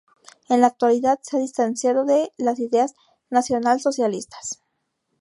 En la actualidad se ha distanciado de las ideas nacional-socialistas.